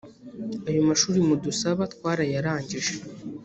ayo mashuri mudusabatwarayarangije